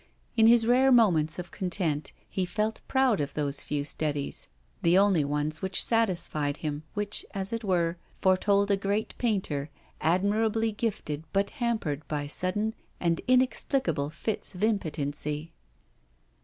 In his rare moments of content he felt proud of those few studies, the only ones which satisfied him, which, as it were, foretold a great painter, admirably gifted, but hampered by sudden and inexplicable fits of impotency.